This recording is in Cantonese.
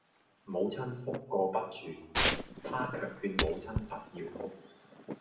母親哭個不住，他卻勸母親不要哭；